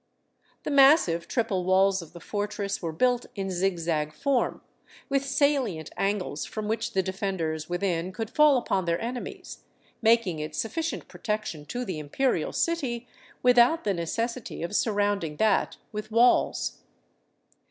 The massive triple walls of the fortress were built in zigzag form, with salient angles from which the defenders within could fall upon their enemies, making it sufficient protection to the Imperial city without the necessity of surrounding that with walls.